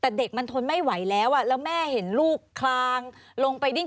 แต่เด็กมันทนไม่ไหวแล้วแล้วแม่เห็นลูกคลางลงไปดิ้น